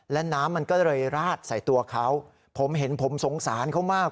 และน้ำมันก็เลยราดใส่ตัวเขาผมเห็นผมสงสารเขามาก